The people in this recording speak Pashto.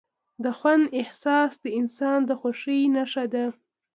د خوند احساس د انسان د خوښۍ نښه ده.